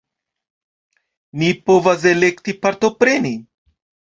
Ni povas elekti partopreni.